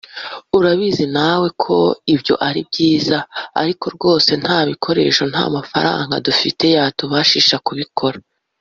“Urabizi nawe ko ibyo ari byiza ariko rwose nta bikoresho nta n’amafaranga dufite yatubashisha kubikora